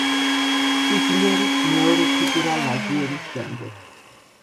სიძლიერით მეორე ფიგურა ლაზიერის შემდეგ.